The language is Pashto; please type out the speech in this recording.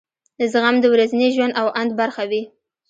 زغم د ورځني ژوند او اند برخه وي.